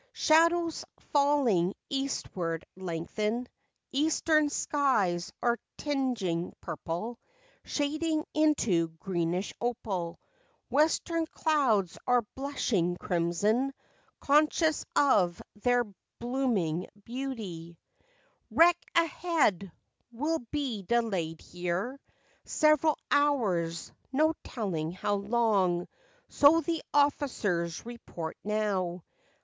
Shadows falling eastward lengthen; Eastern skies are tinging purple, Shading into greenish opal; Western clouds are blushing crimson, Conscious of their blooming beauty— 9° FACTS AND FANCIES. " Wreck ahead! We 'll be delayed here Several hours. No telling how long," So the officers report now.